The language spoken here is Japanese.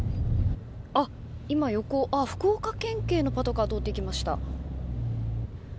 今、横を福岡県警のパトカーが通って行きました。